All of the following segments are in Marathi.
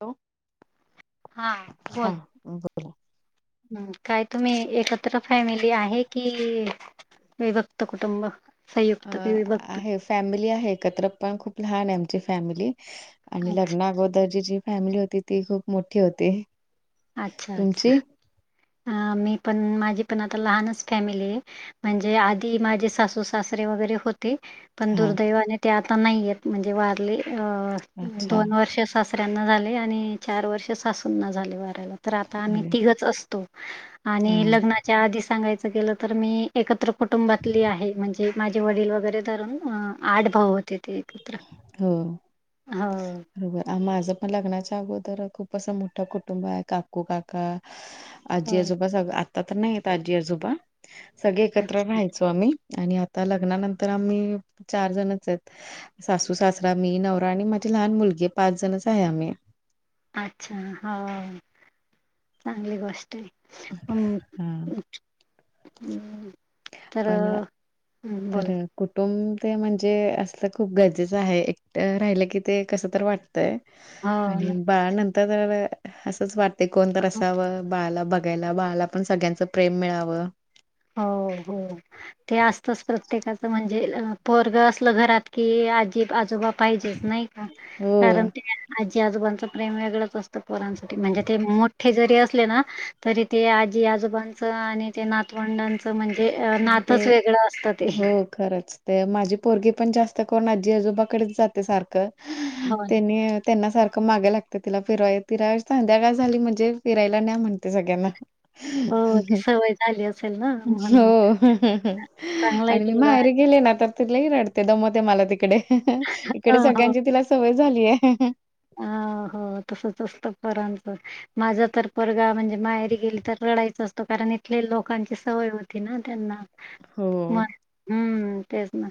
हॅलो. हा बोल बला हम् काय तुम्ही एकत्र फॅमिली आहे कि विभक्त कुटुब अ संयुक्त वि विभक्त आहे फॅमिली आहे एकत्र पण खूप लहान आहे आमची फॅमिली आणि अच्छा लग्ना अगोदरची जी फॅमिली होती ती खूप मोठी होती अच्छा तुमची? अच्छा अ मी पण माझी पण आता लहानच फॅमिली आहे म्हणजे आधी माझे सासू सासरे वगैरे होते पण हा दुर्दैवाने ते आता नाहीयेत म्हणजे वारले अ अच्छा दोन वर्ष सासऱ्यांना झाले आणि चार वर्ष सासूंना झाले वार तर आता आ अरे तिघच असतो आणि हा लग्नाच्या आधी सांगायच गेलं तर मी एकत्र कुटुंबातली आहे म्हणजे माझे वडील वगैरे धरून आठ भाऊ होते ते एकत्र हो हो. बरोबर माझं पण लग्नाच्या अगोदर खूप असं मोठं कुटुंब आहे का कू काका हो. आजी आजोबा सगळ आता तर नाहीेत आजी आजोबा सगळे एकत्र अच्छ राहायचं ो आणि आता लग्नानंतर आम्ही चार जणच आहेत सासू सासरा मी नवरा आणि माझी लहान मुलगी पाच जणच आहे आम्ही अच्छा हो चांगली गोष्ट आहे हा ह तर पण तर बोल कुटुंब ते म्हणजे असलं खूप गरजेचं आहे एकट राहिलं की ते कसं तर वाटतंय हो. आणि नका. बाळ नंतर असच वाटते कोणत असावं बाळाला बघ बघायला बाळाला पण सगळ्यांच प्रेम मिळावं हो हो ते असतच प्रत्येकाचं म्हणजे परग असलं घरात की आजी आजोबाप पाहिजेच नाही का कारण हो ते आजी आजोबांच प्रेम वेगळंच असत पोरांसाठी म्हणजे ते मोठे जरी असले ना तरी ते आजी आजोबांच आणि ते ना भवंडांचं म्हणजे अ ते नातच वेगळं असतं ते हो खरंच ते माझी पोरगी पण जास्त करून आजी आजोबाकडेच जाते सारखं हो ना. त्यांनी त्यांना सारखं मागे लागत तिला फिरय तिरा संध्या काय झाली म्हणजे फिरायला नाही म्हणत ते सगळ्यांना वय झाली असेल ना हो चांगला आहे आणि मी तेवढा बाहेर गेले ना आ तर तिलाही रडते दमते मला तिकडे इकडे हो सगळ्यांची तिला सवय झालीय. [unintelligible] हो तसंच असतं फांचं. माझा तर परगा म्हणजे माहेरी गेली तर रढायच असतो कारण इथले लोकांची सवय होती ना त्यांना म हो. हम्म तेच ना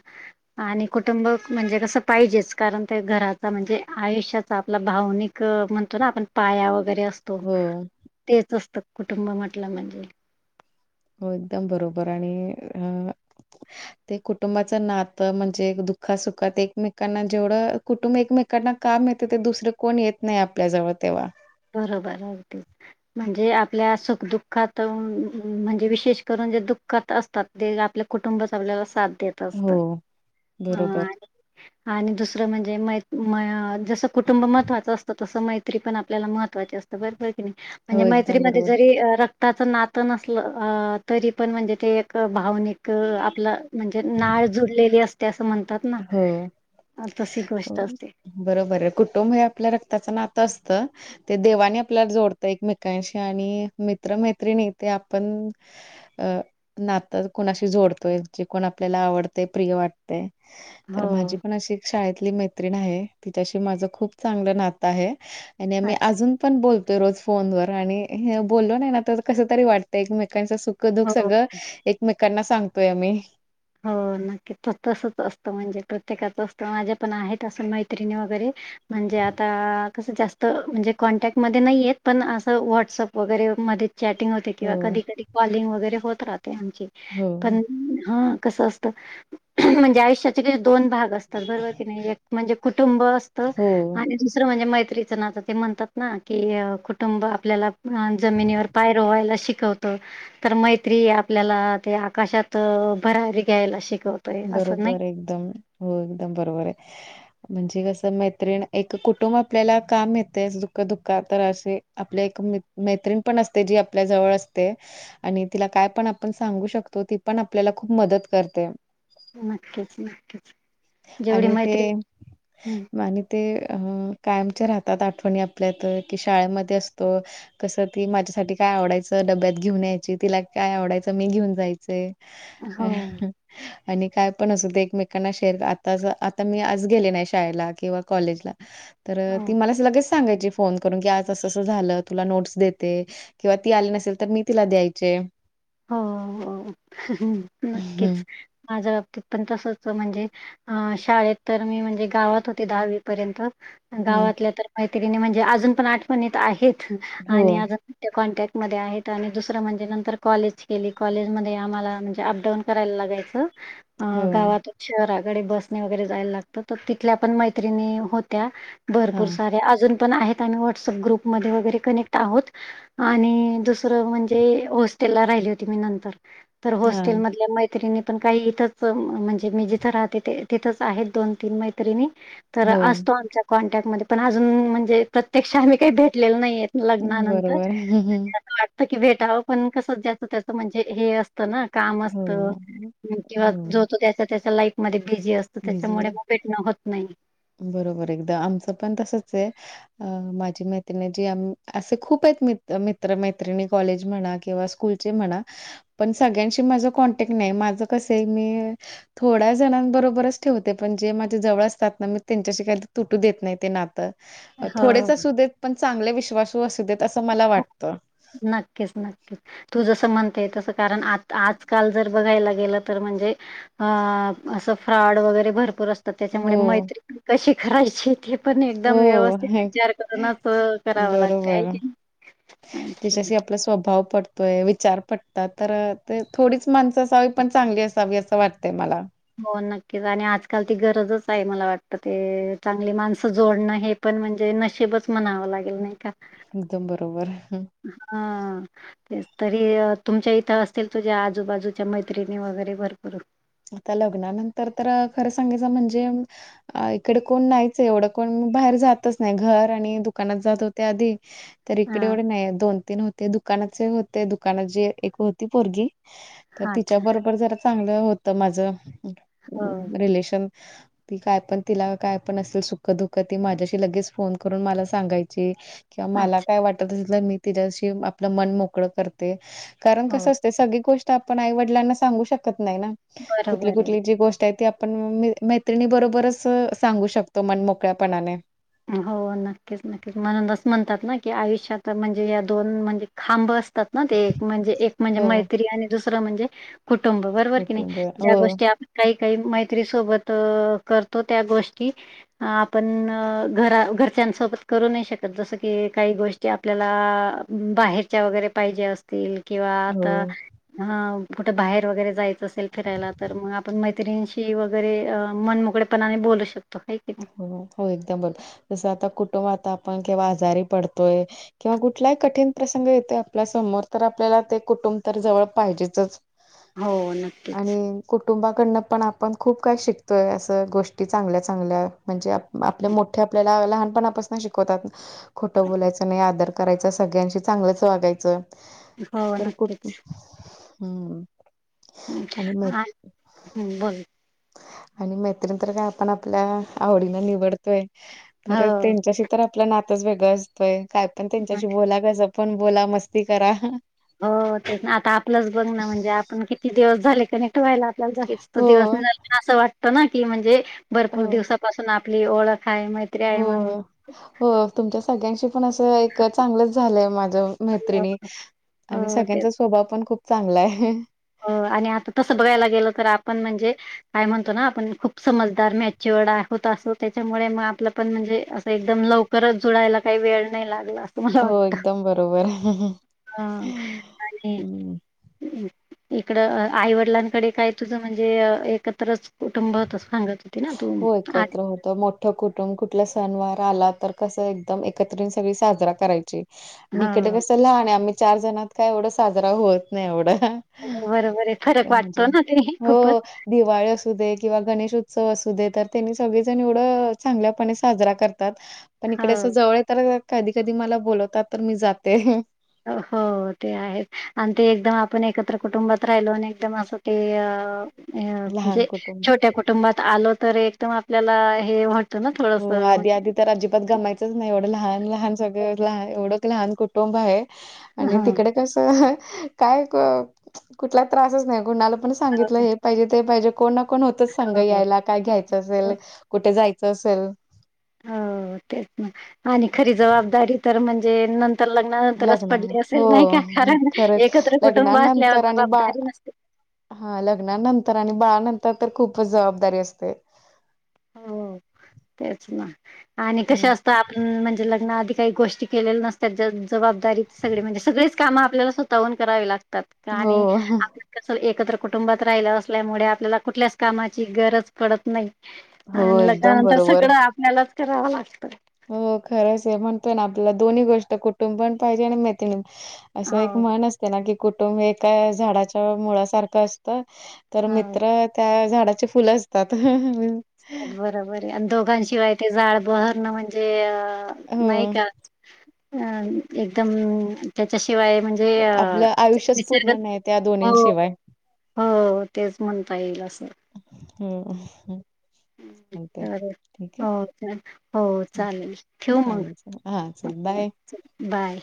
आणि कुटुंब म्हणजे कसं पाहिजेच कारण ते घराचा म्हणजे आयुष्यात आपला भावनिक म्हणतो ना आपण पाया वगैरे असतो. हो. तेच असतं कुटुंब म्हटलं म्हणजे हो एकदम बरोबर आणि अ ते कुटुंबाच नातं म्हणजे दुःखासुखात एकमेकांना जेवढं. कुटुंब एकमेकांना काम यळेत ते दुसरे कोण येत नाही आपल्या जवळ तेव्हा बरोबर अगदीच. म्हणजे आपल्या सुखदुःखात म्हणजे विशेष करून जे दुःखात असतात. दे आपल्या कुटुंबात आपल्याला साथ देत असत हो अ. बरोबर. आणि दुसरं म्हणजे मै जसं कुटुंब महत्वाचं असतं तसं मैत्री पण आपल्याला महत्वाचे असत बरैकी हो म्हणजे एकदम मैत्रीमध्ये बरोबर. ज त्याच नातं नसलं अ तरी पण म्हणजे ते एक भावनिक आपलं. म्हणजे नाळ जुडलेली असते असं म्हणतात हो. ना तशी हो. गोष्ट असते. बरोबर आहे कुटुंब हे आपल्या रक्ताचं नातं असतं. ते देवाने आपल्याला जोडत एकमेकांशी आणि मित्र मैत्रिणी ते आपण अ नात कोुणाशी जोडतोय जे कोण आपल्याला आवडते प्रिय वाटते. तर हो माझी पण अशी शाळेतली मैत्रिण आहे तिच्याशी माझं खूप चांगलं नातं आहे. आणि आम्ही अच्छा अजून पण बोलतोय रोज फोन वर आणि बोललो नाही आ कस तरी वाटतं एकमेकांचाख क दुक हो सगळं एकमेकांना सांगतोय मी हो नक्की त तसच असतं म्हणजे प्रत्येकाच असतं माझ्या पण आहेत असं मैत्रिणी वगैरे म्हणजे आता कस जास्त म्हणजे कॉन्टॅक्टमध्ये नाहीेत पण असं व्हॉट्सअप वगैरे म चॅटिंग होते हो किंवा कधी कधी कॉलिंग वगैरे होत राहते आमची हो पण ह कस असत म्हणजे आयुष्याचे दोन भाग असतात बरोबर की नाही एक म्हणजे कुटुंब अस. हो आणि दुसरं म्हणजे मैत्रीचं ना तर ते म्हणतात ना की कुटुंब आपल्याला ह जमिनीवर पाय रोवायला शिकवत. तर मैत्री आपल्याला ते आकाशात भरारी घ्यायला शिक. बरोबर एकदम हो एकदम बरोबर आहे. म्हणजे कसं मैत्रिण एक कुटुंब आपल्याला काम येत दुःख दुःख तर असे. आपल्या एक मैत्र्रीण पण असते जी आपल्या जवळ असते. आणि तिला काय पण आपण सांगू शकतो ती पण आपल्याला खूप मदत करते. नकीच नच. आणि ते हं, मा ते कायमच्या राहतात आठवणी आपल्यात की शाळेमध्ये असतो. कसं ती माझ्यासाठी काय आवडायचं डब्यात घेऊन यायची तिला काय आवडायचं मी घेऊन जायचं. हो अ. आणि काय पण असू ते एकमेकांना शेअर आता आता मी आज गेले नाही शाळेला किंवा कॉलेज ला तर हो ती मला ल सांगायची फोन करून की आज असं असं झालं तुला नोट्स देते. किंवा ती आली नसेल तर मी तिला द्यायचे. हो हं, नक्कीच माझ्या बाबतीत पण तसच म्हणजे अ शाळेत तर मी म्हणजे गावात होती दहावी पर्यंत हं. गावातल्या तर मैत्रीणी म्हणजे अजून पण आठवणीत आहेत हो, आणि अजून त्या कॉन्टॅक्टमध्ये आहेत आणि दुसरं म्हणजे नंतर कॉलेज केली कॉलेजमध्ये आम्हाला म्हणजे अपडाऊन करायला लागायचं हो. गावातुन शहराकडे बसने वगैरे जायला लागत त तिथल्या पण मैत्रिणी होत्या. भरपूर हां, साऱ्या अजून पण आहेत आणि व्हाट्सअप ग्रुप मध्ये पण आहोत आणि दुसर म्हणजे होस हॉस्टेल ला राहीली होती मी नंतर तर हां. होस्टेलमधल्या मैत् मैत्रीणी पण काही इथच म्हणजे मी जिथं राहते तिथच आहेत दोन तीन मैत्रिणी तर हो. असतो आमच्या कॉन्टॅक्टमध्ये पण अजून म्हणजे प्रत्यक्ष आम्ही काही भेटलेलो नाहीयेत. लग्नानंतर बरोबर. अस वाटत की भेटावं पण कस ज्यांचं त्याच म्हणजे हे अस सत ना काम हो. असत किंवा हो. जो तो ज्याचा त्याचा लाईफ मध्ये बिझी असतो बिझी त्याच्यामुळे आहे. म भेटणं होत नाही. बरोबर एकदा आमचं पण तसचये. अ माझी मैत्रिणी जी अम्म असे खूप आहेत मित्र मैत्रिणी कॉलेज म्हणा किंवा स्कूल ची म्हणा पण सगळ्यांशी माझ कॉनटॅक्ट नाही माझं कस आहे मी थोड्या जणांबरोबरच ठेवते पण जे माझे जवळ असतात ना म त्यांच्याशी काय ते तुटू देत नाही ते नातं हो, थोडेच असू देत पण चांगले विश्वासू असू देत असं मला हो. वाटतं नक्कीच नक्कीच तू जस म्हणते तस कारण आत आज काल जर बघायला गेलं तर म्हणजे अ असं फ्रॉड वगैरे भरपूर अस त त्याच्यामुळे हो, मैत्री पण कशी करायची ते पण एकदम हो. व्यवस्थित विचार करूनच करावा लागतय हाय की नय त्याच्याशी आपल स्वभाव पटतोय विचार पटतात तर ते थोडीच माणसं असावी पण चांगली असावी असं वाटतय मला. हो नक्कीच आणि आजकाल ती गरजच आहे मला वाटतं ते चांगली माणसं जोडणं हे पण म्हणजे नशीबच म्हणावं लागेल नाही का एकदम बरोबर हा तेचं तरी तुमच्या इथं असतील तुझ्या आजूबाजूच्या मैत्रिणी वगैरे भरपूर आता लग्नानंतर तर खरं सांगायचं म्हणजे अ इकडे कोण नाहीच एवढं कोण बाहेर जातच नाही घर आणि दुकानात जात होत ते आधी तर इकडे हां. एवढे नाही दोन तीन होते दु दुकानाचे होते दुकानंतर जी एक होती पोरगी तर अच्छा, तिच्याबरोबर जरा चांगलं होत त माझं हो. रिलेशन ती काय पण तिला काय पण असेल सुखं दुखं ती माझ्याशी लगेच फोन करून मला सांगायची. किंवा मला अच्छा. काय वाटत असेल तर मी तिच्याशी आपलं मन मोकळं करते कारण कसं हो. असं ते सगळी गोष्ट आपण आई वडिलांना सांगू शकत नाय ना कुठली बरोबर आहे. कुठली जी गोष्ट आहे ती आप आपण म मैत्रिणी बरोबरच सांगू शकतो मन मोकळ्यापणाने हो नक्कीच नक्कीच म्हणून अस म्हणतात ना की आयुष्यात म्हणजे या दोन म्हणजे खांब असतात. ना ते एक म्हणजे एक म्हणजे हो मैत्री आणि दुसरं म्हणजे कुटुंब बरोबर की नाय कुटुंब ज्या हो, गोष्टी आप काही काही मैत्री सोबत अ करतो त्या गोष्टी आपण घरा घरच्यांसोबत करू नाय शकत जसं की काही गोष्टी आपल्याला बाहेरच्या वगैरे पाहिजे असतील. किंवा आता हो, हा कुठे बाहेर वगैरे जायचं असेल फिरायला तर मग आपण मैं मैत्रीणीशी वगैरे मन मोकळेपणाने बोलू शकतो. हाय हो हो एकदम बरोबर जसं आता कुटुंबात आता आपण केव्हा आजारी पडतोय. किंवा कुठलाही कठीण प्रसंग येतोय आपल्या समोर तर आपल्याला ते कुटुंब तर जवळ पाहिजेचच हो नक्कीच आणि कुटुंबाकडनं पण आपण खूप काय शिकतोय असं गोष्टी चांगल्या चांगल्या म्हणजे आपल्या मोठ्या आपल्या लहानपणापासूनच शिकवतात खोटं बोलायचं नाही आदर करायचं सग चांगलंच वागायचंय हो तर कुठ नक्कीच हम् बोल आणि मैत्रिण तर काय आपण आपल्या आवडीना निवडतोय हो तर त्यांच्याशी तर आपलं नातच वेगळं असतोय काय पण त्यांच्याशी बोला कसं पण बोला मस्ती करा हो तेच ना आता आपलंच बघ ना म्हणजे आपण किती दिवस झाले कनेक्ट व्हायला हो दिवस झा असं वाटतं ना की म्हणजे भरपूर हो दिवस पासून आपली ओळख आहे मा हो हो तुमच्या सगळ्यांशी पण असं एक चांगलच झालंय माझ मैत्रिणी आणि हो ते सगळ्यांचा स्वभाव पण खूप चांगला आहे आणि आता तसं बघायला गेल तर आपण म्हणजे काय म्हणतो ना आपण खूप समजदार मॅचची वड होत असो त्याच्यामुळे मग आपलं पण म्हणजे अस एकदम लव परत जुडायला काही वेळ नाही लागला अस तु मला हो वाटत एकदम बरोबर हा आणि हम्म इकड आईवडिलांकडे काय तुझं म्हणजे एकत्रच कुटुंब त सांगत होती ना तू आज त मोठ कुटुंब कुठल्या सण वार आला तर कसं एकदम एकत्रित सगळी साजरा करायची आणि इकडडें हो कसं लहान आम्ही चार जणत काय एवढं साजरा होत नाही एवढं बरोबर आहे फरक वाटतो ना तरी हे खूपच हो, दिवाळी अस किंवा गणेश उत्सव असू दे तर त्यांनी सगळेजण एवढं चांगल्यापणे साजरा करतात पण हो इकडे अस जवळ तर कधी कधी मला बोलवतात तर मी जाते हो ते आहेत आणि ते एकदम आपण एकत्र कुटुंबात राहिलो आणि एकदम असं ते अ लहान म्हणजे कुटुंब. छोट्या कुटुंबात आल तर एकदम आपल्याला हे ना हो थोडंसं आधी आधी तर अजिबात गमायचंच नाही एवढं लहान लहान सगळं लहान एवढं एक लहान कुटुंब आहे आणि हं. तिकडे कस काय कुठला त्रासच नाही कोुणाला पण सांगितलं हे पाहिजे ते पाहिजे कोण ना कोण होतच संघ हो. यायला काय घ्यायचं असेल कुठे जायचं असेल हो तेच ना आणि खरी जबाबदारी तर म्हणजे न तर लग्नानंतरच लग्ना पडली असेल हो नाही का कारण खरंच एकत्र कुटुंब असल्यावर लग्नानंतर आणि बाळ जबाबदारी नसते हा लग्नानंतर आणि बाळानंतर तर खूपच जबाबदारी असते हो तेच ना आणि कश हम्म. असत आपण म्हणजे लग्ना आधी काही गोष्टी केलेल्या नसतात जबाबदारी सगळे म्हणजे सगळेच काम आपल्याला सुतवून करावी लागतात हो एकत्र कुटुंबात राहिलं असल्यामुळे आपल्याला कुठल्याच कामाची गरज पडत नाही हो आणि ल एकदम त्यानंतर बरोबर सगळं आपल्यालाच करावं लागतं हो खरंच आहे म्हणतोय ना आपल्याला दोन्ही गोष्ट कुटुंबयण पाहिजे आणि मैत्रिण असं एक हो म्हण असते ना की कुटुंब हे एका झाडाच्या मुळसारखं असतं तर हो. मित्र त्या झाडाची फुल असतात बरोबर आहे आणि दोघांशिवाय ते जाड बहरणं म्हणजे अ हो नाही कादम त्याच्याशिवाय म्ह ज आपलं आयुष्यच अ पूर्ण नाही त्या हो दोन्हींशिवाय. हो तेच म्हणता येईल असं हम चालेल हो आहे. चा हो चालेल ठेव मग चालेल चालेल हा चल बाय बाय.